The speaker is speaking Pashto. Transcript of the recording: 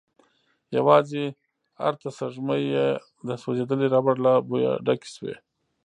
يواځې ارته سپږمې يې د سوځيدلې ربړ له بويه ډکې شوې.